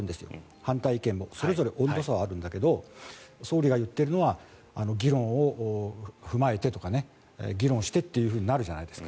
反対意見もそれぞれ温度差はあるんだけども総理が言っているのは議論を踏まえてとか議論してってなるじゃないですか。